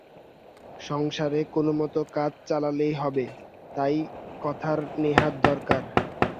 সংসারে কোনোমতে কাজ চালাতেই হবে, তাই কথার নেহাত দরকার।